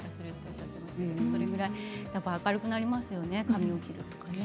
明るくなりますよね髪を切るとかね。